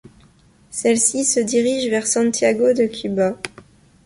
Celle-ci se dirige vers Santiago de Cuba.